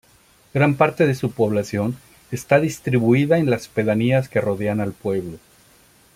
Gran parte de su población está distribuida en las pedanías que rodean al pueblo.